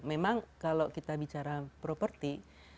memang kalau kita bicara properti